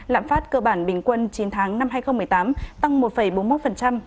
lạm phát cơ bản bình quân chín tháng năm hai nghìn một mươi tám tăng một bốn mươi một so với bình quân